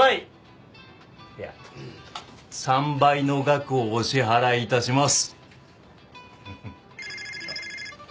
いや３倍の額をお支払い致します。